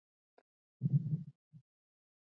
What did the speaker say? آیا د ټولو لپاره نه دی؟